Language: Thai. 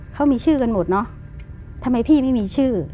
เขามีชื่อกันหมดเนอะทำไมพี่ไม่มีชื่อ